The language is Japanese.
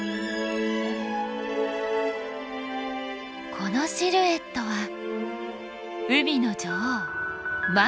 このシルエットは海の女王マンタ。